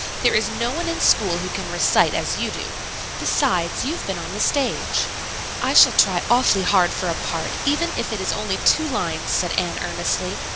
"There is no one in school who can recite as you do; besides, you have been on the stage." "I shall try awfully hard for a part, even if it is only two lines," said Anne earnestly.